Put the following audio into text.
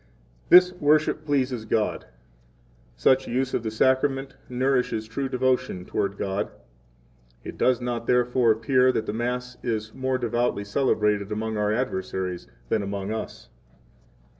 ] This worship pleases God; such use of the Sacrament nourishes true devotion 9 toward God. It does not, therefore, appear that the Mass is more devoutly celebrated among our adversaries than among us.